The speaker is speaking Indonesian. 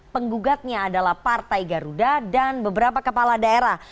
penggugatnya adalah partai garuda dan beberapa kepala daerah